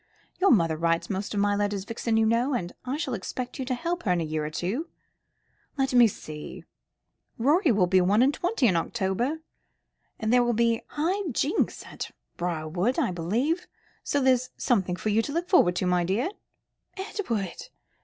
Your mother writes most of my letters, Vixen, you know, and I shall expect you to help her in a year or two. Let me see; Rorie will be one and twenty in October, and there are to be high jinks at Briarwood, I believe, so there's something for you to look forward to, my dear." "Edward!"